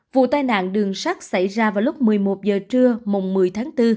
vụ tai nạn đường sát xảy ra vào lúc một mươi một h trưa mùng một mươi tháng bốn